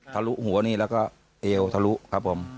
ลุหัวนี่แล้วก็เอวทะลุครับผม